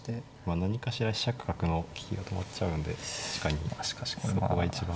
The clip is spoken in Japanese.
何かしら飛車角の利きが止まっちゃうんで確かにそこが一番。